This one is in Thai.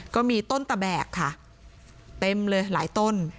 ก็มีต้นตะแบกค่ะเต็มเลยหลายต้น